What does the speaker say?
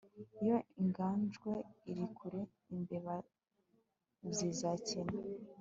Iyo injangwe iri kure imbeba zizakina